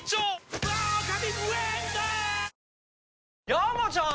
山ちゃん！